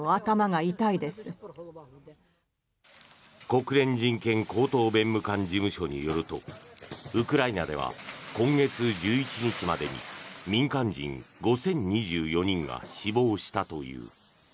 国連人権高等弁務官事務所によるとウクライナでは今月１１日までに民間人５０２４人が死亡したという。